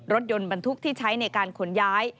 รถบรรทุกที่ใช้ในการขนย้าย